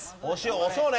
押そうね。